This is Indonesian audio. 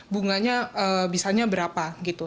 bunganya bisanya berapa gitu